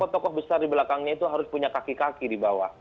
dan tokoh besar di belakangnya itu harus punya kaki kaki di bawah